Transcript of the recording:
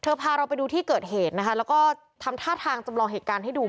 พาเราไปดูที่เกิดเหตุนะคะแล้วก็ทำท่าทางจำลองเหตุการณ์ให้ดู